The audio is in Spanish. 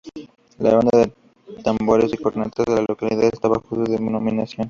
La Banda de tambores y cornetas de la localidad está bajo su denominación.